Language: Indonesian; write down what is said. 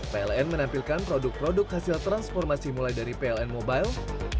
pln menampilkan produk produk hasil transformasi mulai dari pln mobile